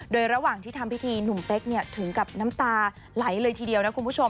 โดยระหว่างที่ทำพิธีหนุ่มเป๊กถึงกับน้ำตาไหลเลยทีเดียวนะคุณผู้ชม